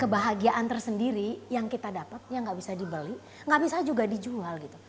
kebahagiaan tersendiri yang kita dapat yang nggak bisa dibeli nggak bisa juga dijual gitu